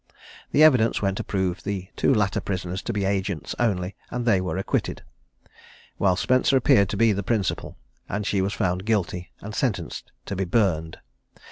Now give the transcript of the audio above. The evidence went to prove the two latter prisoners to be agents only, and they were acquitted; while Spencer appeared to be the principal, and she was found guilty, and sentenced to be burned.